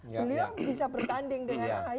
beliau bisa bertanding dengan ahy